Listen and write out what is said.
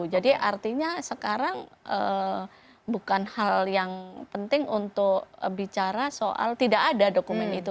jadi artinya sekarang bukan hal yang penting untuk bicara soal tidak ada dokumen itu